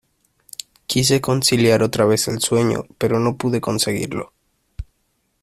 quise conciliar otra vez el sueño, pero no pude conseguirlo.